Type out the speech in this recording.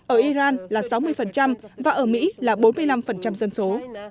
ở iran là sáu mươi và ở mỹ là bốn mươi năm dân số